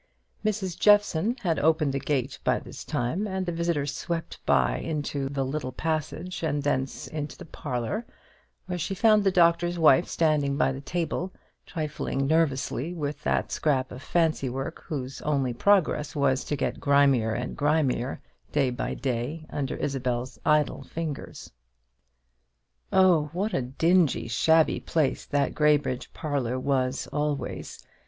Mrs. Jeffson had opened the gate by this time, and the visitor swept by her into the little passage, and thence into the parlour, where she found the Doctor's Wife standing by the table, trifling nervously with that scrap of fancy work whose only progress was to get grimier and grimier day by day under Isabel's idle fingers. Oh, what a dingy shabby place that Graybridge parlour was always!